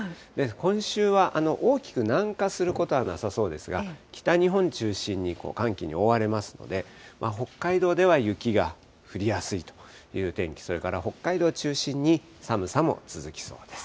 今週は大きく南下することはなさそうが、北日本中心に、寒気に覆われますので、北海道では雪が降りやすいという天気、それから北海道を中心に、寒さも続きそうです。